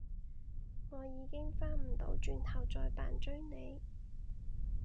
我已經返唔到轉頭再扮追你